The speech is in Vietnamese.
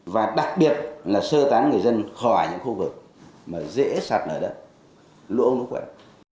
và đặc biệt là sơ tán người dân khỏi những khu vực mà dễ sạt lở đất lũ ống lũ quẹt